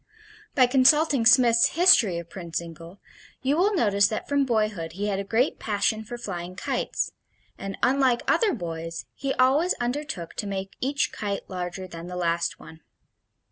By consulting Smith's History of Prince Zingle you will notice that from boyhood he had a great passion for flying kites, and unlike other boys, he always undertook to make each kite larger than the last one.